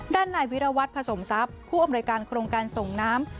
ด้านนายวิรวัตรผสมทรัพย์ผู้อำนวยการโครงการส่งน้ำ